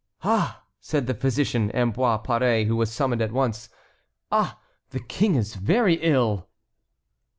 "Ah!" said the physician, Ambroise Paré, who was summoned at once, "ah! the King is very ill!"